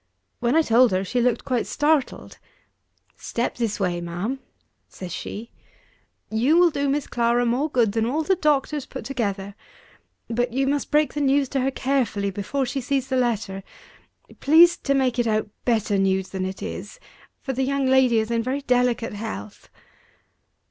When I told her, she looked quite startled. "Step this way, ma'am," says she; "you will do Miss Clara more good than all the doctors put together. But you must break the news to her carefully, before she sees the letter. Please to make it out better news than it is, for the young lady is in very delicate health."